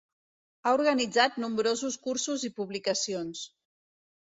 Ha organitzat nombrosos cursos i publicacions.